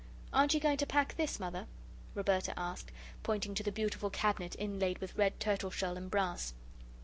"Aren't you going to pack this, Mother?" Roberta asked, pointing to the beautiful cabinet inlaid with red turtleshell and brass.